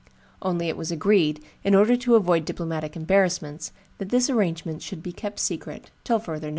Only it was agreed, in order to avoid diplomatic embarrassments, that this arrangement should be kept secret till further notice.